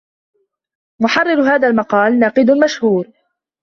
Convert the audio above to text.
محرر هذا المقال ناقد مشهور.